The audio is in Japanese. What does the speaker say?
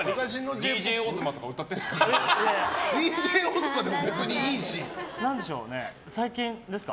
ＤＪＯＺＭＡとか歌ってるんですか？